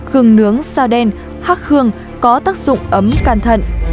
gừng nướng sao đen hắc khương có tác dụng ấm càn thận